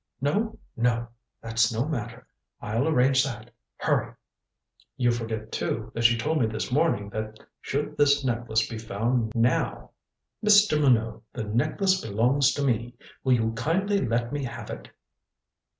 "No. No. That's no matter. I'll arrange that. Hurry " "You forget, too, that you told me this morning that should this necklace be found now " "Mr. Minot the necklace belongs to me. Will you kindly let me have it."